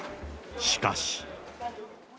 しかし。